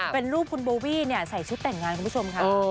เป็นรูปคุณโบวี่ใส่ชุดแต่งงานคุณผู้ชมค่ะ